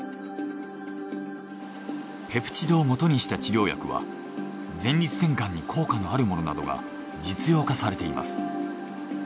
ペプチドをもとにした治療薬は前立腺がんに効果のあるものなどが実用化されています。